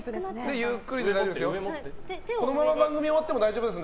ゆっくりで大丈夫ですよ。